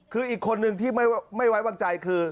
คืออีกคนนึงที่ไม่ไว้วางใจคือ